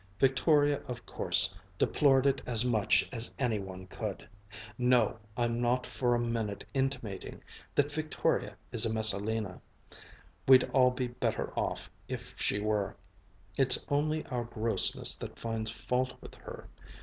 Victoria of course deplored it as much as any one could. No, I'm not for a minute intimating that Victoria is a Messalina. We'd all be better off if she were. It's only our grossness that finds fault with her.